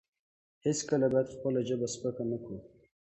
هیڅکله باید خپله ژبه سپکه نه کړو.